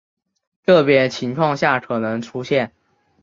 个别情况下可能出现。